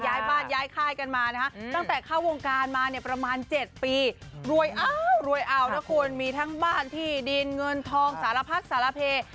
รวยอ้าวนะคุณมีทั้งบ้านที่ดินเงินทองสารพักษณ์สารเพล